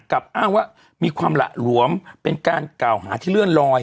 อ้างว่ามีความหละหลวมเป็นการกล่าวหาที่เลื่อนลอย